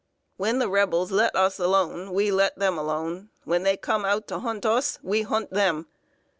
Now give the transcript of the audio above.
"] "When the Rebels let us alone, we let them alone; when they come out to hunt us, we hunt them!